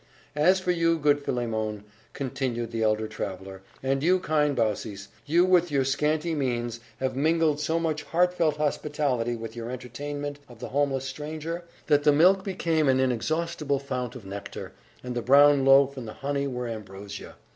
"As for you, good Philemon," continued the elder traveller "and you, kind Baucis you, with your scanty means, have mingled so much heartfelt hospitality with your entertainment of the homeless stranger, that the milk became an inexhaustible fount of nectar, and the brown loaf and the honey were ambrosia.